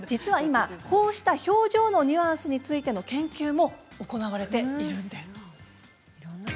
今こうした表情の目安についての研究も行われているんです。